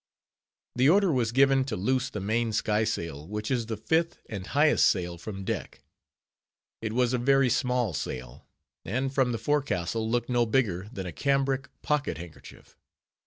The order was given to loose the main skysail, which is the fifth and highest sail from deck. It was a very small sail, and from the forecastle looked no bigger than a cambric pocket handkerchief.